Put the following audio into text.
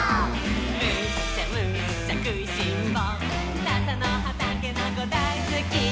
「むしゃむしゃくいしんぼうささのはたけのこだいすき」